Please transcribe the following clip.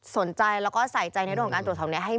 สนใจและใส่ใจในโดยการตรวจส่องนี้